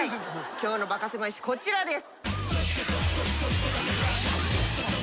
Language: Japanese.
今日のバカせまい史こちらです。